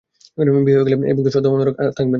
বিয়ে হয়ে গেলে এই ভক্তি-শ্রদ্ধা ও অনুরাগ আর থাকবে না।